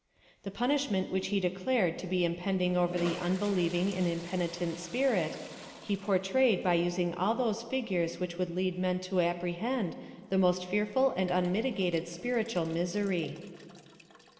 The punishment whirh he declared to be impending over the unbelieving and 166 PHILOSOPHY OF THE impenitent spirit, he portrayed by using all those figures which would lead men tc apprehend the most fearful and unmitigated spiritual misery.